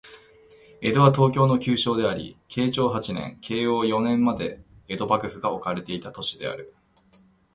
江戸は、東京の旧称であり、慶長八年から慶応四年まで江戸幕府が置かれていた都市である